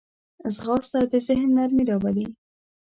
ځغاسته د ذهن نرمي راولي